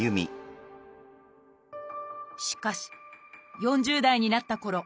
しかし４０代になったころ